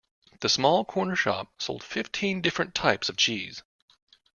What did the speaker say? The small corner shop sold fifteen different types of cheese